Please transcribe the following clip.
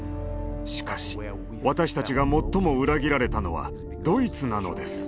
しかし私たちが最も裏切られたのはドイツなのです。